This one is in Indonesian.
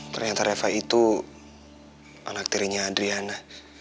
ternyata reva itu anak tirinya adriana